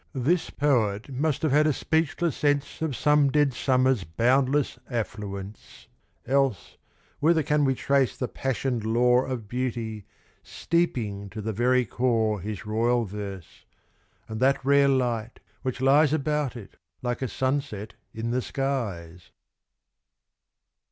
This poet must have had a speechless sense Of some dead summer's boundless affluence; Else, whither can we trace the passioned lore Of Beauty, steeping to the very core His royal verse, and that rare light which lies About it, like a sunset in the skies?